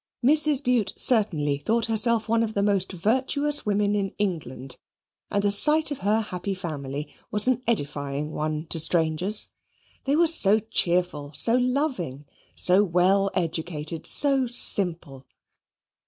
Mrs. Bute certainly thought herself one of the most virtuous women in England, and the sight of her happy family was an edifying one to strangers. They were so cheerful, so loving, so well educated, so simple!